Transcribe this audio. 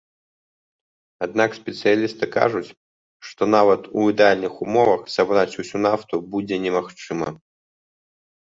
Аднак спецыялісты кажуць, што нават у ідэальных умовах сабраць усю нафту будзе немагчыма.